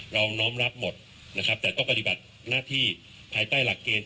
น้อมรับหมดนะครับแต่ต้องปฏิบัติหน้าที่ภายใต้หลักเกณฑ์